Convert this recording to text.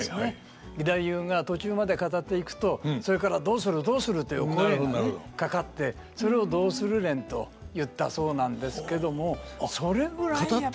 義太夫が途中まで語っていくと「それからどうするどうする」という声がねかかってそれを「どうする連」と言ったそうなんですけどもそれぐらいやっぱり。